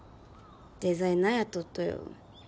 デザイナーやっとっとよ